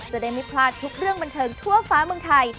จะได้ไม่พลาดทุกเรื่องบันเทิงทั่วฟ้าเมืองไทย